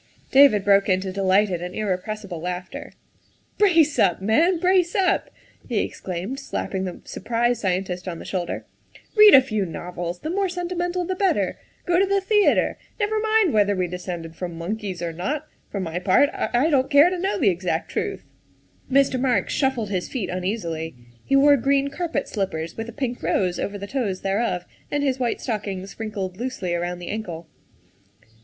David broke into delighted and irrepressible laughter. '' Brace up, man, brace up !" he exclaimed, slapping the surprised scientist on the shoulder. " Read a few novels, the more sentimental the better; go to the theatre; never mind whether we descended from monkeys or not; for my part, I don't care to know the exact truth. '' Mr. Marks shuffled his feet uneasily; he wore green carpet slippers with a pink rose over the toes thereof, and his white stockings wrinkled loosely around the ankle.